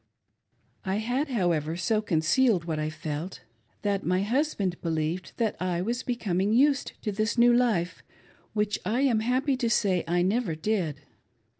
I had, however, so concealed what I felt that my husband believed that I was becoming used to this new life, which I am happy to say I never did.